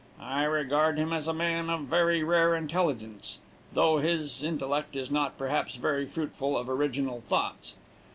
I regard him as a man of very rare intelligence, though his intellect is not, perhaps, very fruitful of original thoughts.